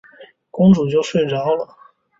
公主就睡着了。